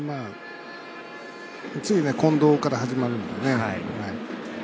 次、近藤から始まるんでね。